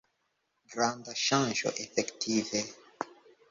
Granda ŝanĝo, efektive.